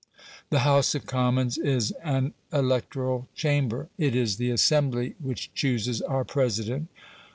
The House of Commons is an electoral chamber; it is the assembly which chooses our president.